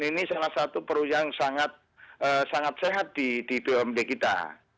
ini salah satu perusahaan yang sangat sehat di bumd kita